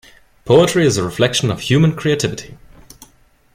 Poetry is a reflection of human creativity.